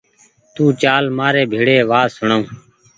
تو چآل مآر ڀيڙي وآت سوڻآئو